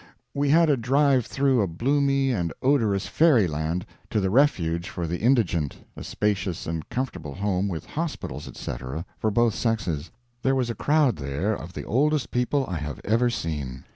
We had a drive through a bloomy and odorous fairy land, to the Refuge for the Indigent a spacious and comfortable home, with hospitals, etc., for both sexes. There was a crowd there, of the oldest people I have ever seen.